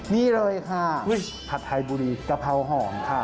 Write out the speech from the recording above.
นี่เลยค่ะผัดไทยบุรีกะเพราหอมค่ะ